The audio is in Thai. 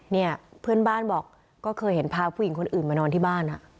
เนี่ยเพื่อนบ้านบอกก็เคยเห็นพาผู้หญิงคนอื่นมานอนที่บ้าน